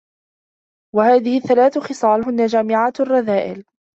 وَهَذِهِ الثَّلَاثُ خِصَالُ هُنَّ جَامِعَاتُ الرَّذَائِلِ